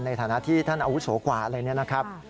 ในฐานะที่ท่านเอาศูกว่าอะไรนะครับ